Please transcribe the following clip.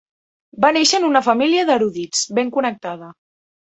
Va néixer en una família d'erudits ben connectada.